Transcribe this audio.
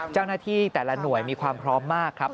เจ้าหน้าที่แต่ละหน่วยมีความพร้อมมากครับ